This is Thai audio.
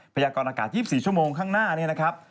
ยากรอากาศ๒๔ชั่วโมงข้างหน้านี้นะครับ